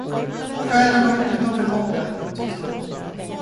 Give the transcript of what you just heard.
Själen var utanför kroppen, tyckte hon.